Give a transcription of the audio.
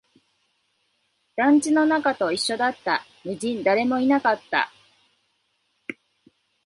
団地の中と一緒だった、無人、誰もいなかった